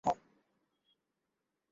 আরে, বেরিয়ে যাবিটা কোথায়?